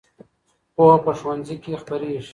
پوهه په ښوونځي کې خپرېږي.